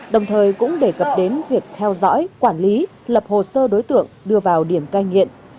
đồng thời cũng đề cập đến việc theo dõi quản lý lập hồ sơ đối tượng đưa vào điểm cai nghiện